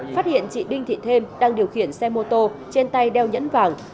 phát hiện chị đinh thị thêm đang điều khiển xe mô tô trên tay đeo nhẫn vàng